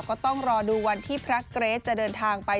ก็ต้องรอดูวันที่พระเกรทจะเดินทางไป